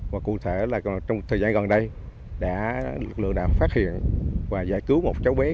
và cụ thể là trong thời gian gần đây đã lực lượng đã phát hiện và giải cứu một cháu bé